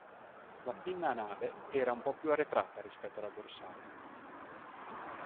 La pinna anale era un po' più arretrata rispetto alla dorsale.